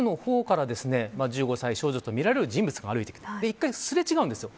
奥の方から、１５歳少女とみられる人物が出てきて一回すれ違うんです。